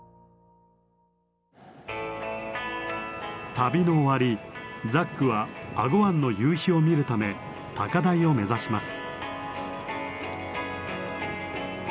旅の終わりザックは英虞湾の夕日を見るため高台を目指します。